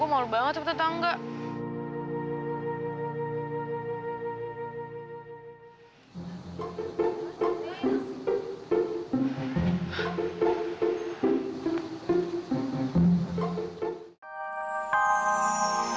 susah banget nih nyari kerjaan di jakarta